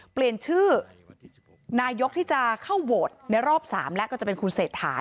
เปลี่ยนชื่อนายกที่จะเข้าโหวตในรอบ๓แล้วก็จะเป็นคุณเศรษฐา